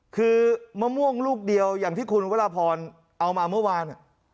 คือมะม่วงลูกเดียวอย่างที่คุณวรพรเอามาเมื่อวาน